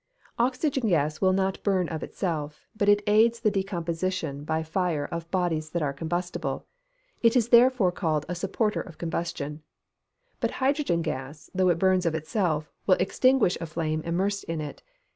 "_ Oxygen gas will not burn of itself, but it aids the decomposition by fire of bodies that are combustible. It is therefore called a supporter of combustion. But hydrogen gas, though it burns of itself will extinguish a flame immersed in it.